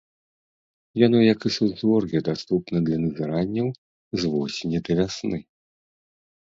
Яно як і сузор'е даступна для назіранняў з восені да вясны.